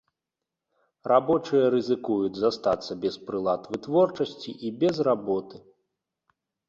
Рабочыя рызыкуюць застацца без прылад вытворчасці і без работы.